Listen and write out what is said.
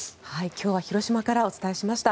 今日は広島からお伝えしました。